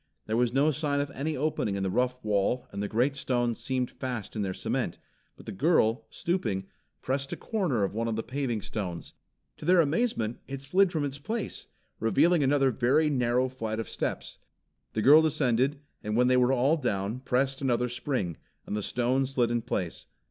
There was no sign of any opening in the rough wall and the great stones seemed fast in their cement, but the girl, stooping, pressed a corner of one of the paving stones. To their amazement it slid from its place, revealing another very narrow flight of steps. The girl descended, and when they were all down, pressed another spring, and the stone slid in place.